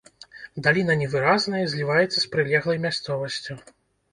Даліна невыразная, зліваецца з прылеглай мясцовасцю.